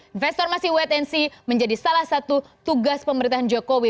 investor masih wet and see menjadi salah satu tugas pemerintahan jokowi